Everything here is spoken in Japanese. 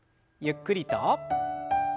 ゆっくりと。